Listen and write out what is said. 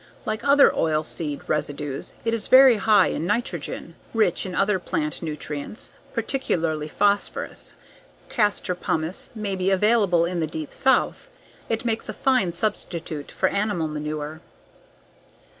Like other oil seed residues it is very high in nitrogen, rich in other plant nutrients, particularly phosphorus, Castor pomace may be available in the deep South; it makes a fine substitute for animal manure.